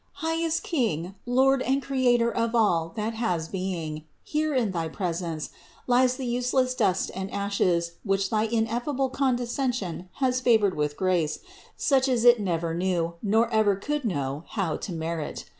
"Highest King, Lord and Creator of all that has being, here in thy presence lies the useless dust and ashes, which thy ineffable condescension has favored with grace such as it neither knew, nor ever could know, how to merit.